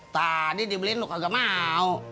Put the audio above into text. tadi dibeliin lu kagak mau